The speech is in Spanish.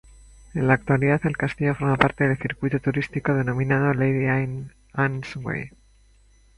En la actualidad el castillo forma parte del circuito turístico denominado Lady Anne's Way.